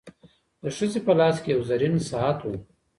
د ښځي په لاس کي یو زرین ساعت و.